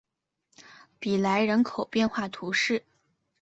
比莱人口变化图示